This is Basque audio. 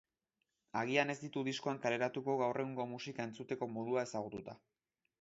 Agian ez ditu diskoan kaleratuko gaur egungo musika entzuteko modua ezagututa.